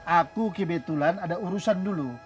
aku kebetulan ada urusan dulu